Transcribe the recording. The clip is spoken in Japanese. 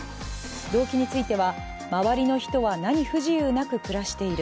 動機については、周りの人はなに不自由なく暮らしている。